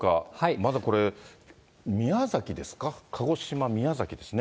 まずこれ、宮崎ですか、鹿児島、宮崎ですね。